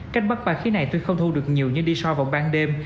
cách bắt ba khía này tuy không thu được nhiều như đi so vào ban đêm